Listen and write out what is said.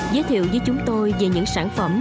giới thiệu với chúng tôi về những sản phẩm